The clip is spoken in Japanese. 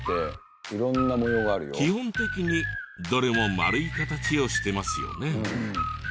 基本的にどれも円い形をしてますよね。